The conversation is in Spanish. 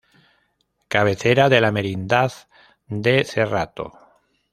Cabecera de la Merindad de Cerrato.